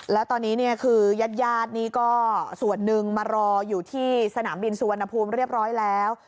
แล้วตอนนี้เนี่ยคือญาติญาตินี่ก็ส่วนหนึ่งมารออยู่ที่สนามบินสุวรรณภูมิเรียบร้อยแล้ว